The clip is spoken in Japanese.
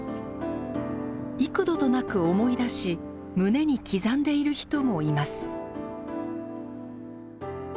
幾度となく思い出し胸に刻んでいる人もいます。